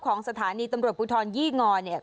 ของสถานีตำรวจภูทรยี่งอเนี่ย